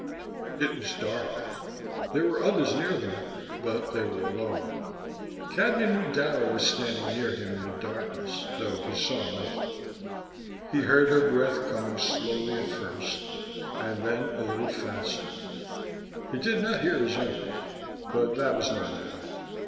It was dark. There were others near them, but they were alone. Cadnan knew Dara was standing near him in the darkness, though he saw nothing. He heard her breath coming slowly at first, and then a little faster. He did not hear his own, but that was no matter.